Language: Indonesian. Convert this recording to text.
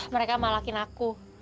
mereka malakin aku